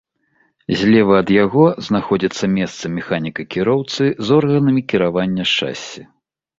Злева ад яго знаходзіцца месца механіка-кіроўцы з органамі кіравання шасі.